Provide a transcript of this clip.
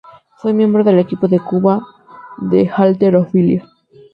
Fue miembro del equipo de Cuba de halterofilia.